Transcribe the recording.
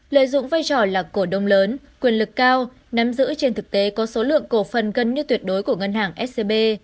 lợi dụng vai trò là cổ đông lớn quyền lực cao nắm giữ trên thực tế có số lượng cổ phần gần như tuyệt đối của ngân hàng scb